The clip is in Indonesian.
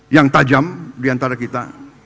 yang tajam diantara kita